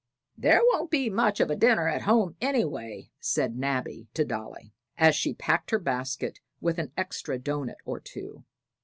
"There won't be much of a dinner at home, anyway," said Nabby to Dolly, as she packed her basket with an extra doughnut or two.